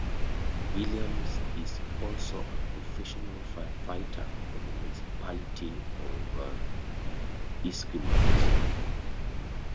Williams is also a Professional Fire Fighter for the municipality of Esquimalt.